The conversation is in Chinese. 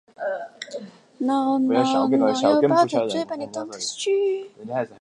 他是中国第一位太上皇。